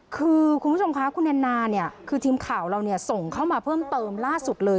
คือคุณผู้ชมคะคุณแอนนาเนี่ยคือทีมข่าวเราส่งเข้ามาเพิ่มเติมล่าสุดเลย